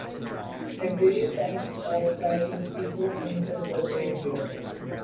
At various times of crisis he proved himself a great leader.